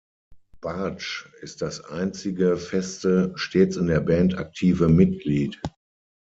Bartsch ist das einzige feste, stets in der Band aktive Mitglied.